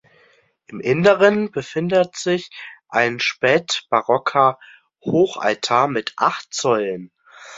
Im Inneren befindet sich ein spätbarocker Hochaltar mit acht Säulen.